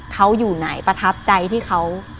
เขาอยู่ไหนประทับใจที่เขา